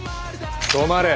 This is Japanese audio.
止まれ。